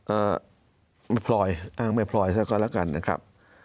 เอ่อไม่พลอยอ้างไม่พลอยซักครั้งแล้วกันนะครับ